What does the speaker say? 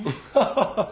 ハハハハハ